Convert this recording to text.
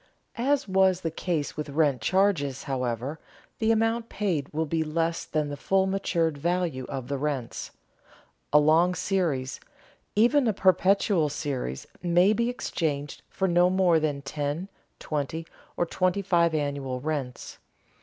As was the case with rent charges, however, the amount paid will be less than the full matured value of the rents. A long series, even a perpetual series, may be exchanged for no more than ten, twenty, or twenty five annual rents.